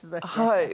はい。